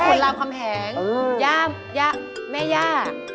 พ่อขุนราวคำแหงย่าแม่ย่า